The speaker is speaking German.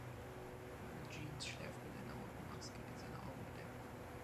Ein Mann in Jeans schläft mit einer roten Maske, die seine Augen bedeckt.